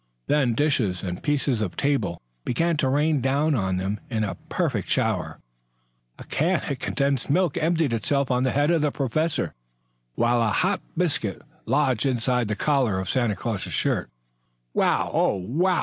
Then dishes and pieces of table began to rain down on them in a perfect shower. A can of condensed milk emptied itself on the head of Professor Zepplin, while a hot biscuit lodged inside the collar of Santa Claus's shirt. "Wow! Oh, wow!"